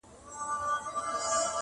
o وخت سره زر دي او ته باید زرګر اوسي,